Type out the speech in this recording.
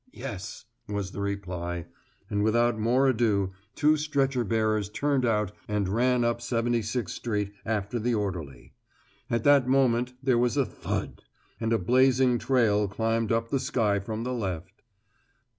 "Yes," was the reply, and without more ado two stretcher bearers turned out and ran up 76 Street after the orderly. At that moment there was a thud, and a blazing trail climbed up the sky from the left.